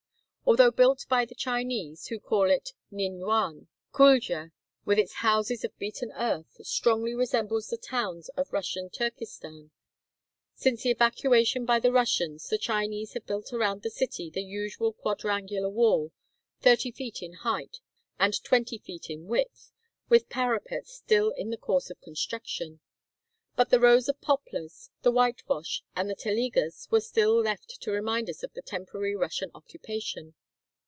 Although built by the Chinese, who call it Nin yuan, Kuldja, with its houses of beaten earth, strongly resembles the towns of Russian Turkestan. Since the evacuation by the Russians the Chinese have built around the city the usual quadrangular wall, thirty feet in height and twenty feet in width, with parapets still in the course of construction. But the rows of poplars, the whitewash, and the telegas were still left to remind us of the temporary Russian occupation.